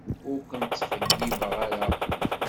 Ur ken-ttxeyyibeɣ ara.